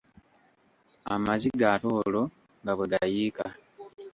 Amaziga ate olwo nga bwe gayiika.